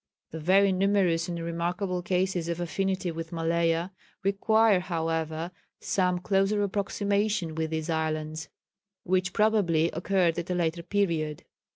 The very numerous and remarkable cases of affinity with Malaya, require, however, some closer approximation with these islands, which probably occurred at a later period.